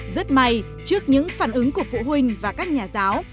rất may trước những phản ứng của phụ huynh và các nhà giáo